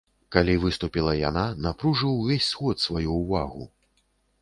Калі выступіла яна, напружыў увесь сход сваю ўвагу.